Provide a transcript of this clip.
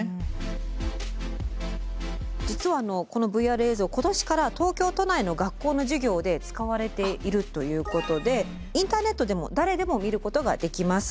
実はこのＶＲ映像今年から東京都内の学校の授業で使われているということでインターネットでも誰でも見ることができます。